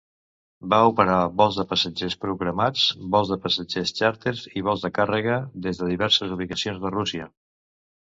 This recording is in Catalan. Va operar vols de passatgers programats, vols de passatgers charter i vols de càrrega des de diverses ubicacions de Rússia.